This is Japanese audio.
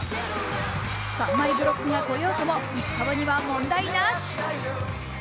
三枚ブロックが来ようとも石川には問題なし。